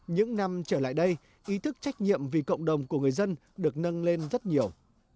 những năm trở lại đây ý thức trách nhiệm vì cộng đồng của người dân được nâng lên rất nhiều